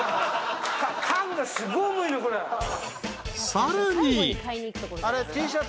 ［さらに］